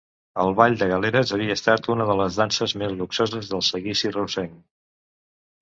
El ball de Galeres havia estat una de les danses més luxoses del seguici reusenc.